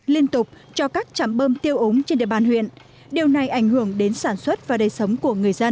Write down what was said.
liên tục cho các chảm bơm tiêu ống trên địa bàn huyện điều này ảnh hưởng đến sản xuất và đầy sống của người dân